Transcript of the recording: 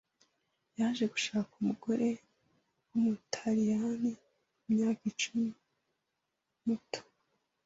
Yaje gushaka umugore wumutaliyani imyaka icumi muto.